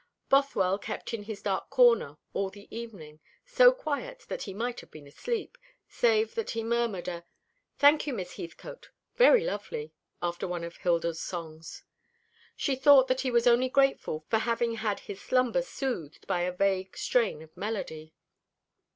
Bothwell kept in his dark corner all the evening, so quiet that he might have been asleep, save that he murmured a "Thank you, Miss Heathcote, very lovely," after one of Hilda's songs. She thought that he was only grateful for having had his slumber soothed by a vague strain of melody.